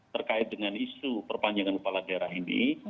terkait dengan isu perpanjangan kepala daerah ini